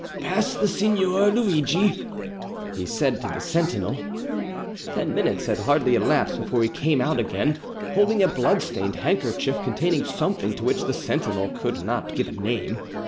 "Pass the Signor Luidgi," he said to the sentinel. Ten minutes had hardly elapsed before he came out again, holding a bloodstained handkerchief containing something to which the sentinel could not give a name.